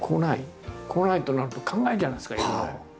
来ないとなると考えるじゃないですかいろいろ。